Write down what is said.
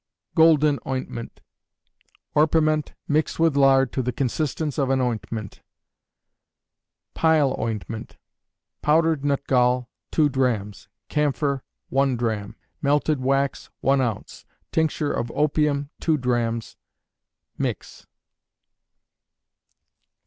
Golden Ointment. Orpiment, mixed with lard to the consistence of an ointment. Pile Ointment. Powdered nutgall, two drachms; camphor, one drachm; melted wax, one ounce; tincture of opium, two drachms. Mix.